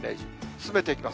進めていきます。